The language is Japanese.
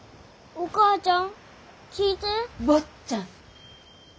お母ちゃん？